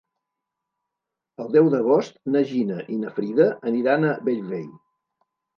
El deu d'agost na Gina i na Frida aniran a Bellvei.